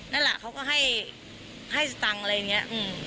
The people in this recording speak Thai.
นั่นแหละเขาก็ให้สตังค์อะไรอย่างนี้